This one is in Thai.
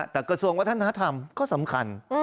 แต่กระทรวงวัฒนธรรมก็สำคัญ